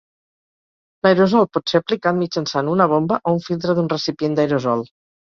L'aerosol pot ser aplicat mitjançant una bomba o un filtre d'un recipient d'aerosol.